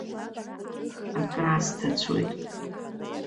Акрасҭацәоит.